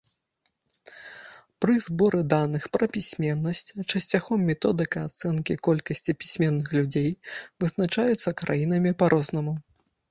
Пры зборы даных пра пісьменнасць часцяком методыка ацэнкі колькасці пісьменных людзей вызначаецца краінамі па-рознаму.